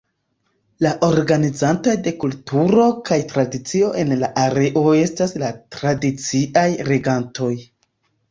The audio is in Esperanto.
La organizantoj de kulturo kaj tradicio en la areo estas la tradiciaj regantoj.